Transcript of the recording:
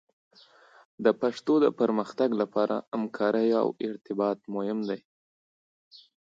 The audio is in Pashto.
د پښتو د پرمختګ لپاره همکارۍ او ارتباط مهم دي.